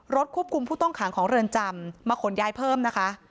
ควบคุมผู้ต้องขังของเรือนจำมาขนย้ายเพิ่มนะคะ